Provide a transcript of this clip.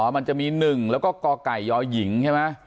อ๋อมันจะมี๑แล้วก็กยยใช่ไหม